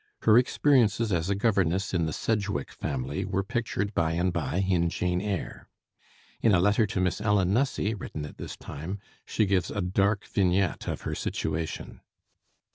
Her experiences as a governess in the Sedgwick family were pictured by and by in 'Jane Eyre.' In a letter to Miss Ellen Nussey, written at this time, she gives a dark vignette of her situation.